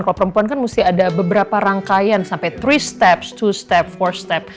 kalau perempuan kan mesti ada beberapa rangkaian sampai three steps two steps four steps